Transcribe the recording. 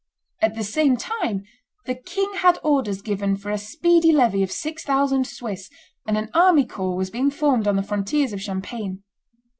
At the same time, the king had orders given for a speedy levy of six thousand Swiss, and an army corps was being formed on the frontiers of Champagne.